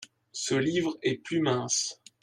Ce livre est plus mince.